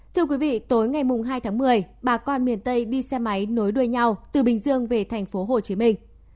thưa quý vị tối ngày hai tháng một mươi bà con miền tây đi xe máy nối đuôi nhau từ bình dương về thành phố hồ chí minh